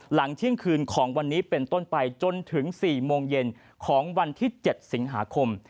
หลังเที่ยงคืนของวันนี้เป็นต้นไปจนถึง๔โมงเย็นของวันที่๗สิงหาคม